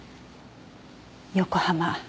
横浜。